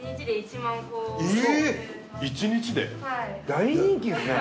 大人気ですね。